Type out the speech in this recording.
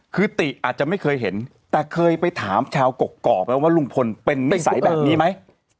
คือติอาจจะไม่เคยเห็นแต่เคยไปถามชาวกกอกไหมว่าลุงพลเป็นนิสัยแบบนี้ไหม